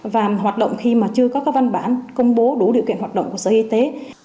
và hoạt động khi mà chưa có các văn bản công bố đủ điều kiện hoạt động của sở y tế